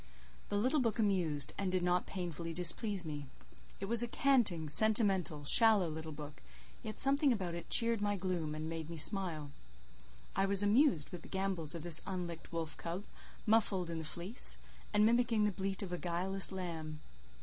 The little book amused, and did not painfully displease me. It was a canting, sentimental, shallow little book, yet something about it cheered my gloom and made me smile; I was amused with the gambols of this unlicked wolf cub muffled in the fleece, and mimicking the bleat of a guileless lamb.